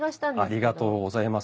ありがとうございます。